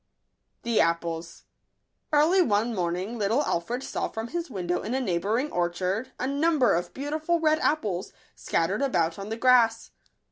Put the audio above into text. >vmn\ JLJL ©Jj* K ARLY one morning little Alfred saw from his window in a neigh bouring orchard a number of beau tiful red apples, scattered about on the grass.